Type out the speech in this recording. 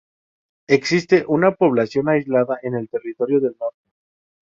Existe una población aislada en el Territorio del Norte.